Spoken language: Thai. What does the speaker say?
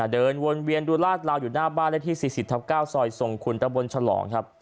เดินวนเวียนดูลาดลาวอยู่หน้าบ้านเลขที่๔๐ทับ๙ซอยทรงคุณตะบนฉลองครับ